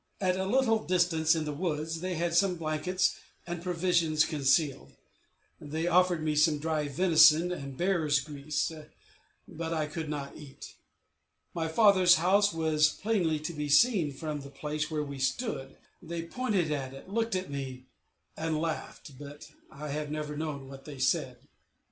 At a little distance in the woods they had some blankets and provisions concealed; they offered me some dry venison and bear's grease, but I could not eat. My father's house was plainly to be seen from the place where we stood; they pointed at it, looked at me, and laughed, but I have never known what they said.